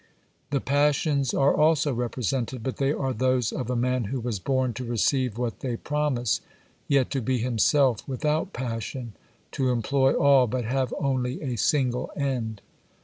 The passions are also represented, but they are those of a man who was born to receive what they promise, yet to be himself without passion ; to employ all, but have only a single end.